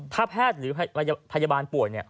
ถ้าแพทย์หรือพยาบาลป่วย